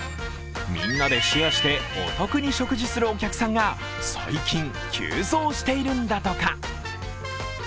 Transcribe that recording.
みんなでシェアしてお得に食事するお客さんが最近急増しているんだとか。